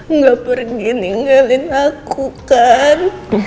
enggak pergi ninggalin aku kan